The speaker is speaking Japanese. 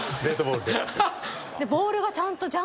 ボールがちゃんと。